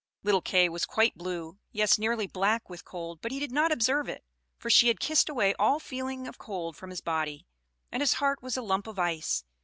Little Kay was quite blue, yes nearly black with cold; but he did not observe it, for she had kissed away all feeling of cold from his body, and his heart was a lump of ice.